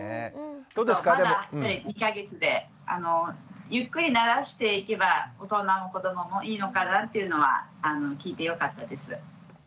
まだ２か月でゆっくり慣らしていけば大人も子どももいいのかなというのは聞いてよかったです。